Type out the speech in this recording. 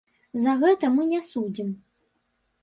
За гэта мы не судзім.